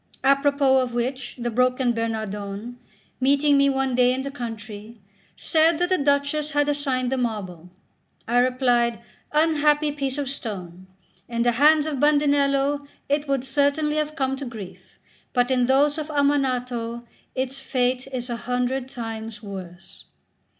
Apropos of which, the broken Bernardone, meeting me one day in the country, said that the Duchess had assigned the marble. I replied: "Unhappy piece of stone! In the hands of Bandinello it would certainly have come to grief; but in those of Ammanato its fate is a hundred times worse."